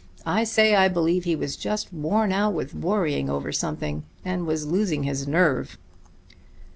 I say I believe he was just worn out with worrying over something, and was losing his nerve."